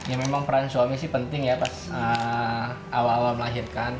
ya memang peran suami sih penting ya pas awal awal melahirkan